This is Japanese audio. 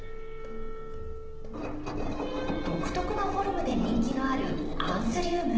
独特なフォルムで人気のあるアンスリウム。